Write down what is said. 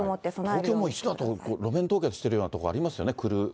東京も路面凍結してるような所ありますよね。